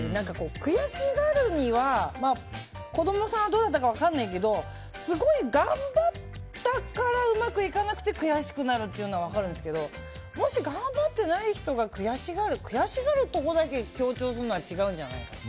悔しがるには子供さんはどうだったかは分からないけどすごい頑張ったからうまくいかなくて悔しくなるっていうのは分かるんですけどもし頑張ってない人が悔しがる悔しがるところだけ強調するのは違うんじゃないかな。